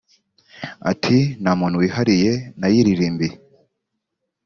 Ati “ Nta muntu wihariye nayiririmbiye